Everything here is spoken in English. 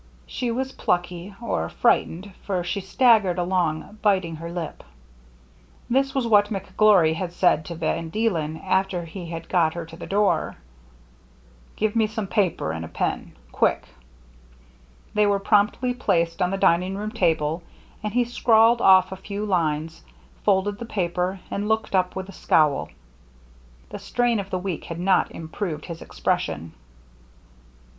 She was plucky, or frightened, for she staggered along biting her lip. This was what McGlory had said to Van Deelen after he had got her to the door: " Give me some paper and a pen — quick !" 296 THE MERRT ANNE They were promptly placed on the dining room table ; and he scrawled off a few lines, folded the paper, and looked up with a scowl. The strain of the week had not improved his expression.